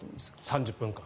３０分間。